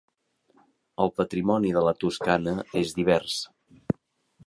El patrimoni de la Toscana és divers.